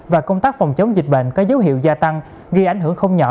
và công tác phòng chống dịch bệnh có dấu hiệu gia tăng gây ảnh hưởng không nhỏ